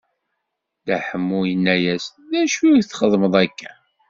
Dda Ḥemmu inna-yas: D acu i ɣ-txedmeḍ akka?